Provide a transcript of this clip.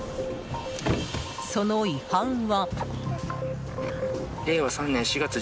その違反は。